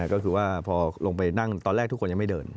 ก็คือว่าพอลงไปนั่งตอนแรกทุกคนยังไม่เดิน